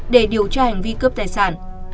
để điều tra hành vi cướp tài sản